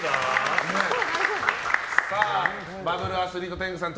バブル・アスリート天狗さん